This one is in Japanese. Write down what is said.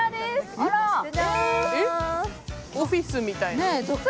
オフィスみたい。